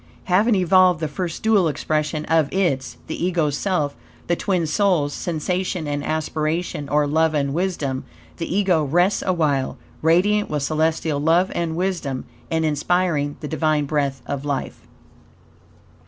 Having evolved the first dual expression of its (the Ego's) self, the twin souls Sensation and Aspiration, or Love and Wisdom, the Ego rests awhile, radiant with celestial love and wisdom, and inspiring the Divine breath of life.